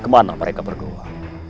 kemana mereka berdoa